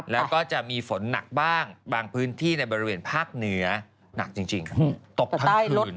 แล้วก็จะมีฝนหนักบ้างบางพื้นที่ในบริเวณภาคเหนือหนักจริงตกทั้งคืน